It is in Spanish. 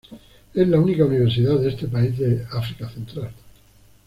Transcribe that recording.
Es la única universidad de este país de África Central.